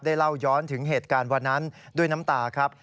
เล่าย้อนถึงเหตุการณ์วันนั้นด้วยน้ำตาครับ